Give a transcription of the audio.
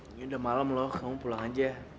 ini udah malem loh kamu pulang aja